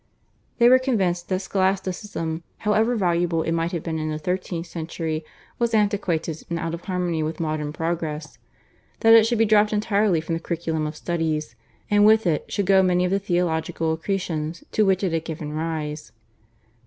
They were convinced that Scholasticism, however valuable it might have been in the thirteenth century, was antiquated and out of harmony with modern progress, that it should be dropped entirely from the curriculum of studies, and with it should go many of the theological accretions to which it had given rise.